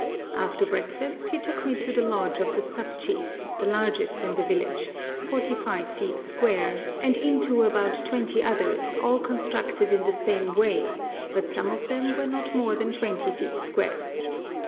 After breakfast he took me to the lodge of the sub chief, the largest in the village, 45 feet square, and into about twenty others all constructed in the same way, but some of them were not more than 20 feet square.